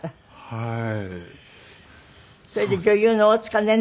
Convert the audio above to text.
はい。